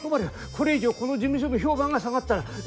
これ以上この事務所の評判が下がったら。